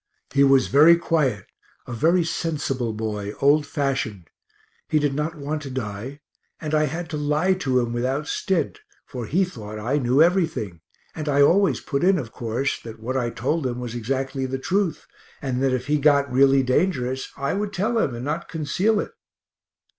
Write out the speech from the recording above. He was very quiet, a very sensible boy, old fashioned; he did not want to die, and I had to lie to him without stint, for he thought I knew everything, and I always put in of course that what I told him was exactly the truth, and that if he got really dangerous I would tell him and not conceal it.